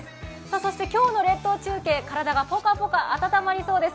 そして今日の列島中継体がぽかぽか温まりそうです。